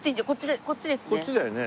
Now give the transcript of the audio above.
こっちだよね。